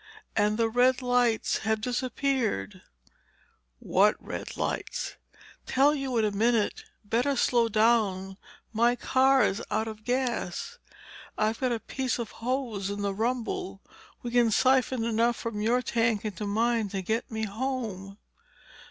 And the red lights have disappeared." "What red lights?" "Tell you in a minute. Better slow down. My car's out of gas. I've got a piece of hose in the rumble. We can siphon enough from your tank into mine to get me home."